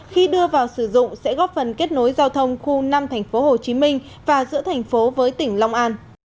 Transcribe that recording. khi đưa vào sử dụng sẽ góp phần kết nối giao thông khu năm thành phố hồ chí minh và giữa thành phố với tỉnh long an